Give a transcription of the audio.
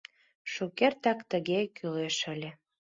«Шукертак тыге кӱлеш ыле!